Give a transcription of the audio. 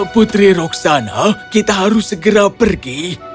putri roksana kita harus segera pergi